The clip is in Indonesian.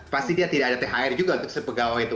pasti dia tidak ada thr juga untuk sepegawai itu